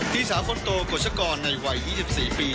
ธิสาคนโตกดชกรในวัย๒๔ปี